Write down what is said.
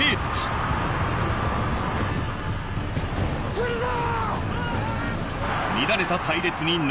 来るぞ！